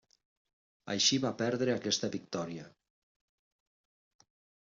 Així va perdre aquesta victòria.